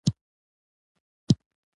د ماشوم وزن مي کم سوی دی.